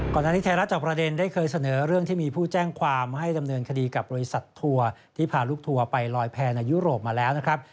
ก่อนหน้านี้ไทยรัฐจอบประเด็นได้เคยเสนอเรื่องที่มีผู้แจ้งความให้ดำเนินคดีกับบริษัททัวร์ที่พาลูกทัวร์ไปลอยแพนในยุโรปมาแล้วนะครับ